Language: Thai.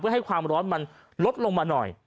เพื่อให้ความร้อนมันลดลงมาหน่อย